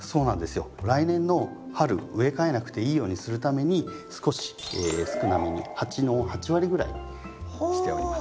来年の春植え替えなくていいようにするために少し少なめに鉢の８割ぐらいにしております。